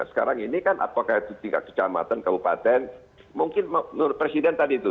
sekarang ini kan apakah itu tingkat kecamatan kabupaten mungkin menurut presiden tadi itu